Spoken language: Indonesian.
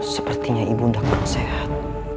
sepertinya ibu endah kurang sehat